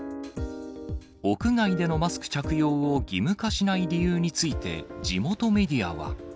屋外でのマスク着用を義務化しない理由について、地元メディアは。